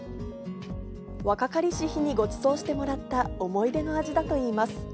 若かりし日にごちそうしてもらった、思い出の味だといいます。